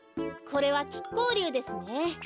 これはきっこうりゅうですね。